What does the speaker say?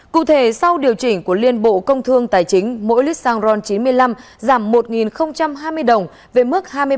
cụ thể sau điều chỉnh của liên bộ công thương tài chính mỗi lít xăng ron chín mươi năm giảm một hai mươi đồng về mức hai mươi ba hai trăm một mươi đồng một lít